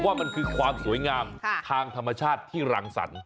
ว่ามันคือความสวยงามทางธรรมชาติที่รังสรรค